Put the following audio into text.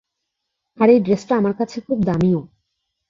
আর এই ড্রেসটা আমার কাছে খুব দামিও।